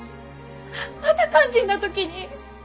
また肝心な時に。